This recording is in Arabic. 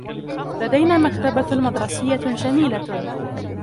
لدينا مكتبة مدرسية جميلة.